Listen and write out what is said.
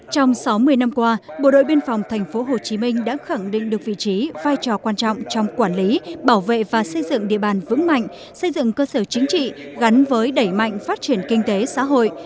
trong sáu mươi năm qua bộ đội biên phòng tp hcm đã khẳng định được vị trí vai trò quan trọng trong quản lý bảo vệ và xây dựng địa bàn vững mạnh xây dựng cơ sở chính trị gắn với đẩy mạnh phát triển kinh tế xã hội